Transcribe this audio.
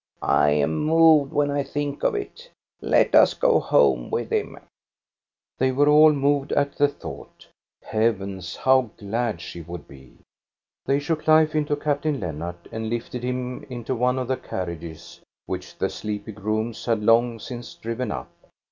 I am moved when I think of it. Let us go home with him !" They were all moved at the thought Heavens, how glad she would be ! They shook life into Captain Lennart and lifted him into one of the carriages which the sleepy torooms had long since driven up.